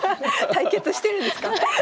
対決してるんですか？